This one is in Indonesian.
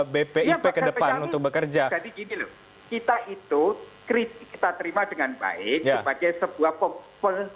bp ip ke depan untuk bekerja kita itu kritik kita terima dengan baik sebagai sebuah pompo